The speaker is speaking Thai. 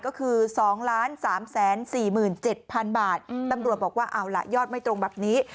ก็คือ๒๓๔๗๐๐บาทตำรวจบอกว่าเอาล่ะยอดไม่ตรงแบบนี้